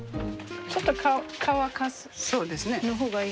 ちょっと乾かすほうがいいね。